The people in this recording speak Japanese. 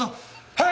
はい！